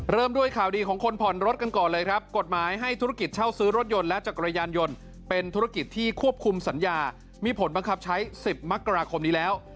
เริ่มด้วยข่าวดีของคนผ่อนรถกันก่อนเลยครับกฎหมายให้ธุรกิจเช่าซื้อรถยนต์และจักรยานยนต์เป็นธุรกิจที่ควบคุมสัญญามีผลบังคับใช้๑๐มกราคมนี้แล้ว